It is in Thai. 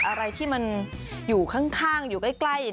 อะไรที่มันอยู่ข้างอยู่ใกล้